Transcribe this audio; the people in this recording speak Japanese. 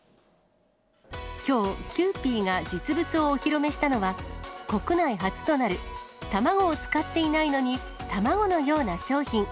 きょう、キユーピーが実物をお披露目したのは、国内初となる卵を使っていないのに卵のような商品。